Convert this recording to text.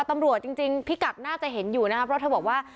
ตำรวจจริงพิกัดน่าจะเห็นอยู่นะครับเพราะเธอบอกว่า